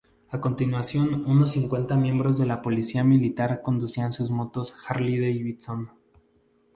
A continuación unos cincuenta miembros de la Policía Militar conducían sus motos Harley-Davidson.